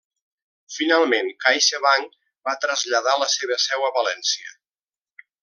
Finalment CaixaBank va traslladar la seva seu a València.